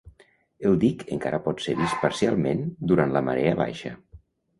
El dic encara pot ser vist parcialment durant la marea baixa.